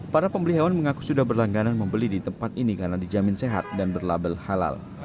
para pembeli hewan mengaku sudah berlangganan membeli di tempat ini karena dijamin sehat dan berlabel halal